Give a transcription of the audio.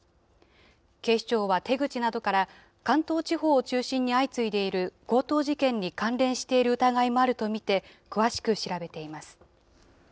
警視庁は手口などから、関東地方を中心に相次いでいる強盗事件に関連している疑いもあると見て、詳しく調べています。